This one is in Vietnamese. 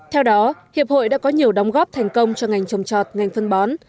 theo đó hiệp hội đã có nhiều đóng góp thành công cho ngành trồng trọt ngành phân bó